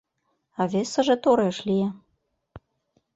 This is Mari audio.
А весыже тореш лие: